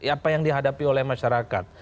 apa yang dihadapi oleh masyarakat